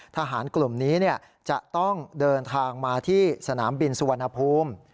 ทหารกลุ่มนี้จะต้องเดินทางมาที่สนามบินสุวรรณภูมิ